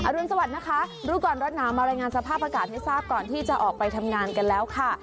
รุนสวัสดิ์นะคะรู้ก่อนร้อนหนาวมารายงานสภาพอากาศให้ทราบก่อนที่จะออกไปทำงานกันแล้วค่ะ